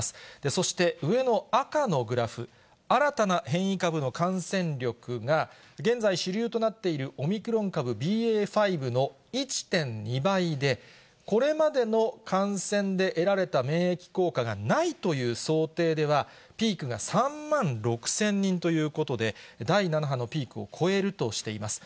そして、上の赤のグラフ、新たな変異株の感染力が現在、主流となっているオミクロン株ＢＡ．５の１．２倍で、これまでの感染で得られた免疫効果がないという想定では、ピークが３万６０００人ということで、第７波のピークを越えるとしています。